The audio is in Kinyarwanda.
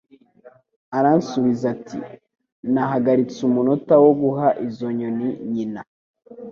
Aransubiza ati: "Nahagaritse umunota wo guha izo nyoni nyina."